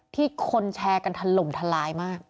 ที่คนแชร์กันถล่มทลายมาก